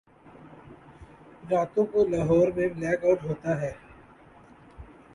راتوں کو لاہور میں بلیک آؤٹ ہوتا۔